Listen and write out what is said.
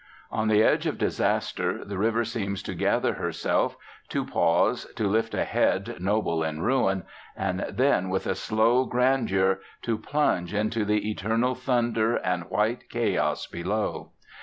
On the edge of disaster the river seems to gather herself, to pause, to lift a head noble in ruin, and then, with a slow grandeur, to plunge into the eternal thunder and white chaos below.